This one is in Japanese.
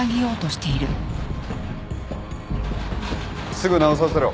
・すぐ直させろ。